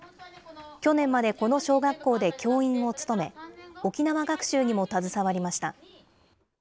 去年までこの小学校で教員を務め、沖縄学習にも携わりました。